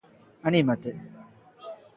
Anímate!